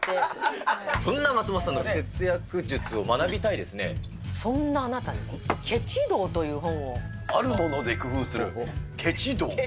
そんな松本さんの節約術を学そんなあなたに、あるもので工夫するケチ道。